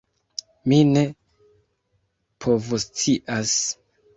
Mi ne povoscias!